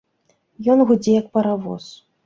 Ён гудзе, як паравоз.